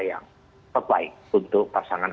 yang terbaik untuk pasangan